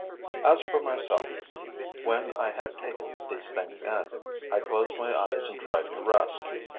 As for myself, when I had taken these things in, I closed my eyes and tried to rest.